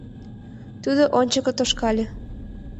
Тудо ончыко тошкале.